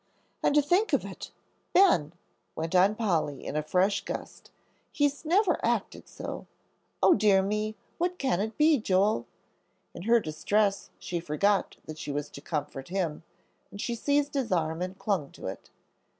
"And to think of it Ben " went on Polly in a fresh gust, "he's never acted so. O dear me! What can it be, Joel?" In her distress she forgot that she was to comfort him, and she seized his arm and clung to it.